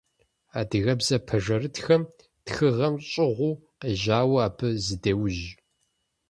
Адыгэбзэ пэжырытхэм тхыгъэм щӏыгъуу къежьауэ, абы зыдеужь.